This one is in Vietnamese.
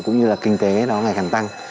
cũng như là kinh tế nó ngày càng tăng